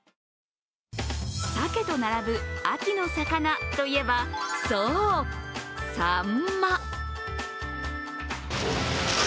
サケと並ぶ、秋の魚といえばそう、サンマ。